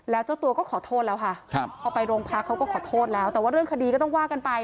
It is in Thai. แล้วเจ้าตัวก็ขอโทษแล้วค่ะพอไปโรงพักเขาก็ขอโทษแล้วแต่ว่าเรื่องคดีก็ต้องว่ากันไป